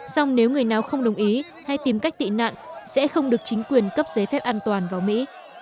song nếu người nào không đồng ý hay tìm cách tị nạn sẽ không được chính quyền cấp giấy phép an toàn vào mỹ